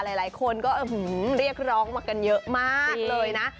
หลายคนก็เรียกร้องมากันเยอะมากเลยนะ